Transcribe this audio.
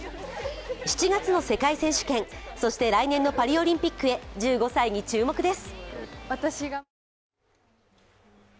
７月の世界選手権、そして来年のパリオリンピックへ、１５歳に注目です。